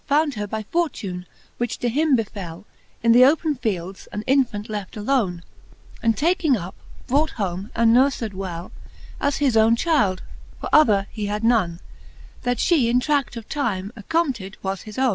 Found her by fortune, which to him befell, In th' open fields an Infant left alone, And taking up brought home, and nourfed well As his owne chyld ; for other he had none, That file in trad of time accompted was his owne, Xx 2 XV.